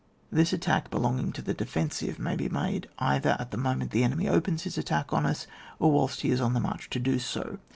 7. This attack, belonging to the de fensive, may be made either at the moment the enemy opens his attack on us, or whilst he is on the march to do so.